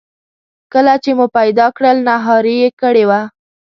کله چې مو پیدا کړل نهاري یې کړې وه.